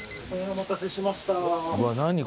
お待たせしました。